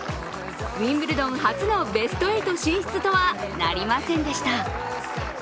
ウィンブルドン初のベスト８進出とはなりませんでした。